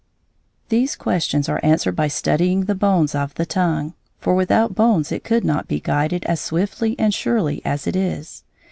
These questions are answered by studying the bones of the tongue, for without bones it could not be guided as swiftly and surely as it is.